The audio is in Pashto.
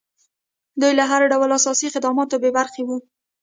دوی له هر ډول اساسي خدماتو څخه بې برخې وو.